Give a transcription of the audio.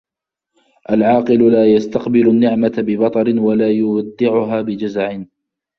العاقل لا يستقبل النعمة ببطر ولا يودعها بجزع